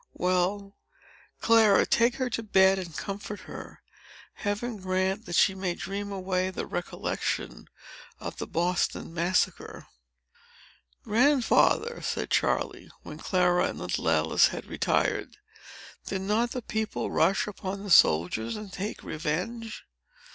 Well, Clara, take her to bed, and comfort her. Heaven grant that she may dream away the recollection of the Boston Massacre!" "Grandfather," said Charley, when Clara and little Alice had retired, "did not the people rush upon the soldiers, and take revenge?"